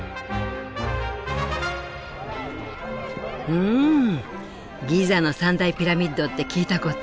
うんギザの３大ピラミッドって聞いたことある。